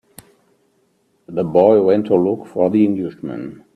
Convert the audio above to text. The boy went to look for the Englishman.